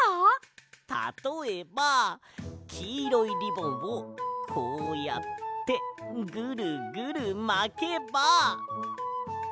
たとえばきいろいリボンをこうやってグルグルまけば。